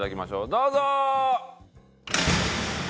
どうぞ！